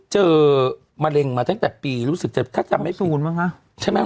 เจอมะเร็งมาตั้งแต่ปีรู้สึกเจ็บถ้าจำไม่ศูนย์มั้งฮะใช่ไหม